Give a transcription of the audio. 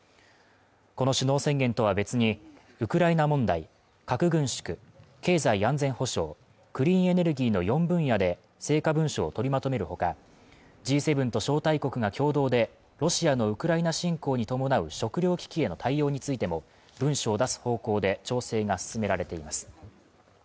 この首脳宣言とは別に、ウクライナ問題核軍縮経済安全保障、クリーンエネルギーの４分野で成果文書を取りまとめる他、Ｇ７と招待国が共同で、ロシアのウクライナ侵攻に伴う食料危機への対応についても文書を出す方向で調整が進められています。